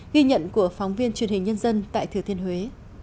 ghi nhận của phóng viên truyền hình nhân dân tại thừa thiên huế